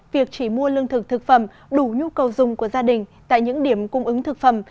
việc chỉ mua lương thực thực phẩm đủ nhu cầu dùng của gia đình tại những điểm cung ứng thực phẩm